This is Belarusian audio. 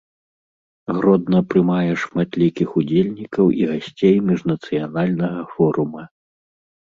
Гродна прымае шматлікіх удзельнікаў і гасцей міжнацыянальнага форума.